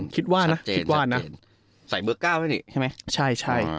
คิดว่านะใส่เบอร์๙ใช่มั้ย